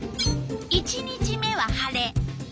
１日目は晴れ。